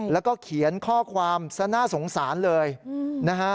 แล้วก็เขียนข้อความซะน่าสงสารเลยนะฮะ